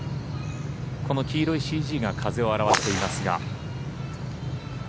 この黄色いＣＧが風を表していますが。